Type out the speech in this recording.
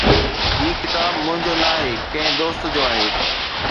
هي ڪتاب منهنجو نه آهي، ڪنهن دوست جو آهي